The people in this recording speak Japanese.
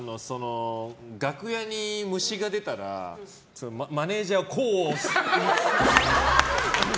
楽屋に虫が出たらマネジャーをこう押す。